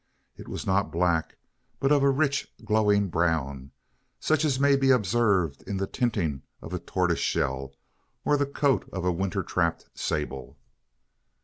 It was not black; but of a rich glowing brown such as may be observed in the tinting of a tortoise shell, or the coat of a winter trapped sable.